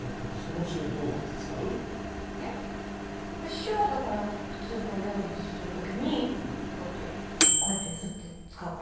塩はだから普通料理する時にこうやってこうやって振って使うわよ。